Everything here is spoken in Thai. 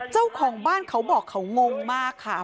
เจ้าของบ้านเขาบอกเขางงมากค่ะ